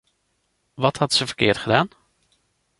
Wat had ze verkeerd gedaan?